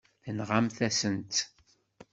Tenɣamt-asent-tt.